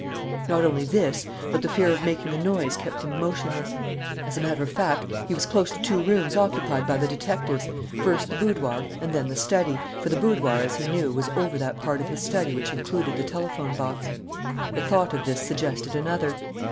Not only this, but the fear of making a noise kept him motionless. As a matter of fact, he was close to two rooms occupied by the detectives, first the boudoir and then the study, for the boudoir, as he knew, was over that part of his study which included the telephone box. The thought of this suggested another.